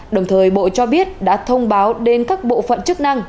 đồng thời bộ cho biết đã thông báo đến các bộ phận chức năng